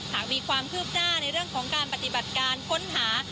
หากมีความคืบหน้าในเรื่องของการปฏิบัติการค้นหา